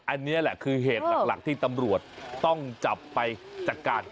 อันนี้แหละคือเหตุหลักที่ตำรวจต้องจับไปจัดการ